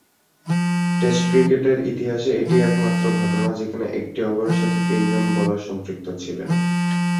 Test ক্রিকেটের ইতিহাসে এটিই একমাত্র ঘটনা, যেখানে একটি ওভারের সাথে তিনজন বোলার সম্পৃক্ত ছিলেন।